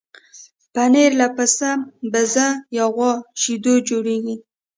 پنېر له پسه، بزه یا غوا شیدو جوړېږي.